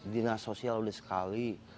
dinas sosial sudah satu kali